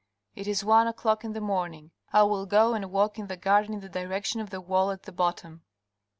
It is one o'clock in the morning. I will go and walk in the garden in the direction of the wall at the bottom."